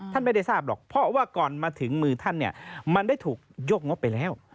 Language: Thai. ท่านไม่ได้ทราบหรอกเพราะว่าก่อนมาถึงมือท่านเนี่ยมันได้ถูกยกงบไปแล้ว